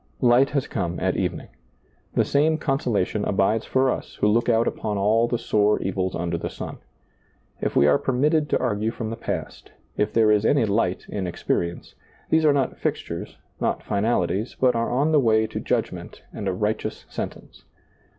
Light has come at evening. The same conso lation abides for us who look out upon all the sore evils under the sun. If we are permitted to argue from the past, if there is any light in experience, these are not fixtures, not finalities, but are on the way to judgment and a righteous sentence.